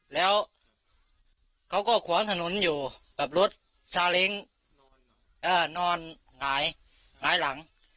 แล้วเขาก็ขวางถนนอยู่กับรถซาเล้งนอนหงายหลัง